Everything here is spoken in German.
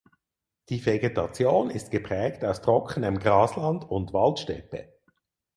Die Vegetation ist geprägt aus trockenem Grasland und Waldsteppe.